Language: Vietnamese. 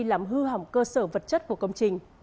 làm hư hỏng cơ sở vật chất của công trình